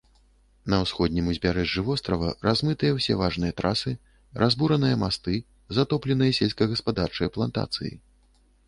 На ўсходнім узбярэжжы вострава размытыя ўсе важныя трасы, разбураныя масты, затопленыя сельскагаспадарчыя плантацыі.